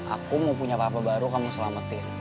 aku mau punya kapal baru kamu selamatin